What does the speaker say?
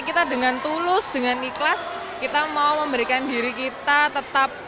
kita dengan tulus dengan ikhlas kita mau memberikan diri kita tetap